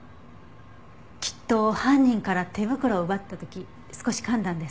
きっと犯人から手袋を奪った時少し噛んだんです。